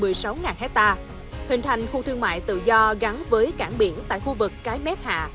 với tổng diện tích đất quy hoạch là hơn một mươi sáu ha hình thành khu thương mại tự do gắn với cảng biển tại khu vực cái mép hạ